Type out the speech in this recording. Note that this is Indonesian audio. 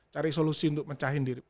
cari solusi untuk mecahin diri